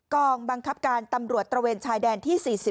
กองบังคับการตำรวจตระเวนชายแดนที่๔๐